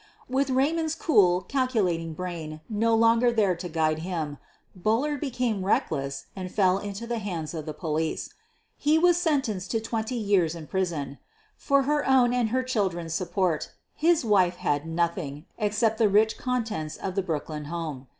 With Raymond's cool, calculating brain no longer there to guide him, Bullard became reckless and fell into the hands of the police. He was sentenced to, twenty years in prison. For her own and her chil dren's support his wife had nothing except the rich contents of the Brooklyn home.